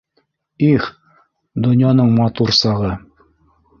Их, донъяның матур сағы